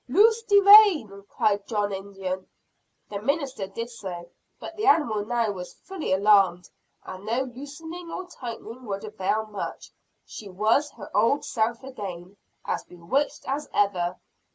"Loose de rein!" cried John Indian. The minister did so. But the animal now was fully alarmed; and no loosening or tightening would avail much. She was her old self again as bewitched as ever.